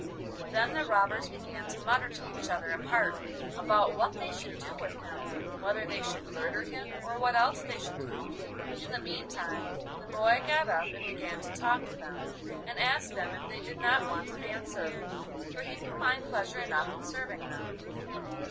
Then the robbers began to mutter to each other apart about what they should do with him, whether they should murder him, or what else they should do. In the meantime the boy got up and began to talk to them, and ask them if they did not want a man servant, for he could find pleasure enough in serving them.